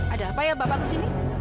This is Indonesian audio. ada apa ya bapak kesini